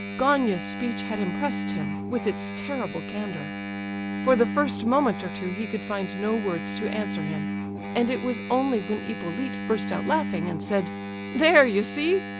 Gania's speech had impressed him, with its terrible candour. For the first moment or two he could find no words to answer him, and it was only when Hippolyte burst out laughing, and said: "There, you see!